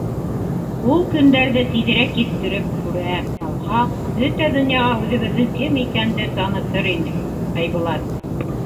Ул көндәрҙе тиҙерәк еткереп күрә алһаҡ, бөтә донъяға үҙебеҙҙең кем икәнде танытыр инек, Айбулат.